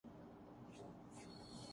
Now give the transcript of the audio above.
کســـی کے برا چاہنے سے فرق نہیں پڑتا